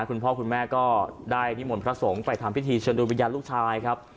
คุณพ่อคุณแม่ก็ได้นิมนต์พระสงฆ์ไปทำพิธีเชิญดูวิญญาณลูกชายครับ